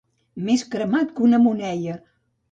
Més cremat que una moneia.